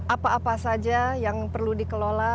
apa apa saja yang perlu dikelola